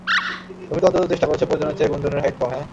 তুমি তো অন্তত চেষ্টা করেছ প্রয়োজনের চেয়ে গুঞ্জনের হাইট কম - হ্যাঁ।